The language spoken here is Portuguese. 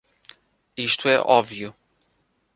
Isto é óbvio.